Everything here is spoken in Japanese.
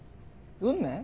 運命？